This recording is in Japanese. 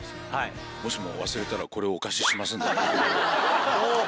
もしも忘れたらこれをお貸ししますんで。